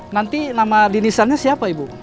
nanti nama di nisannya siapa ibu